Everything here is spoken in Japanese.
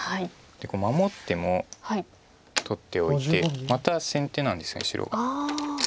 守っても取っておいてまた先手なんです白が。